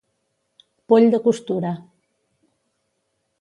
Poll de costura.